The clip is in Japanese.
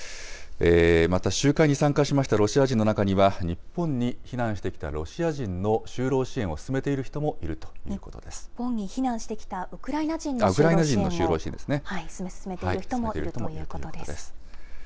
また、集会に参加しましたロシア人の中には、日本に避難してきたロシア人の就労支援を進めている人もいるとい日本に避難してきたウクライナ人の就労支援を進めている人もいるということです。